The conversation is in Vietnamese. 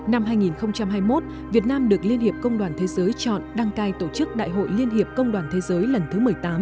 năm hai nghìn hai mươi một việt nam được liên hiệp công đoàn thế giới chọn đăng cai tổ chức đại hội liên hiệp công đoàn thế giới lần thứ một mươi tám